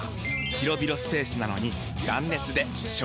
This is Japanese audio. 広々スペースなのに断熱で省エネ！